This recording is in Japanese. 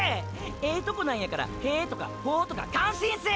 ええとこなんやからへーとかほーとか感心せー！！